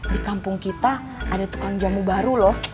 di kampung kita ada tukang jamu baru loh